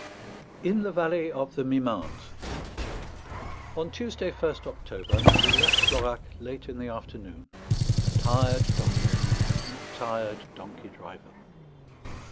IN THE VALLEY OF THE MIMENTE On Tuesday, 1st October, we left Florac late in the afternoon, a tired donkey and tired donkey driver.